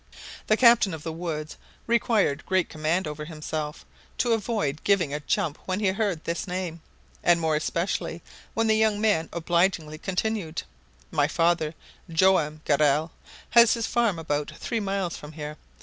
The captain of the woods required great command over himself to avoid giving a jump when he heard this name, and more especially when the young man obligingly continued: "My father, Joam Garral, has his farm about three miles from here.